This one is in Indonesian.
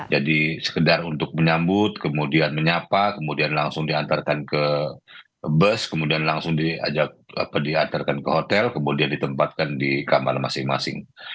jadi sekedar untuk menyambut kemudian menyapa kemudian langsung diantarkan ke bus kemudian langsung diantarkan ke hotel kemudian ditempatkan di kamar masing masing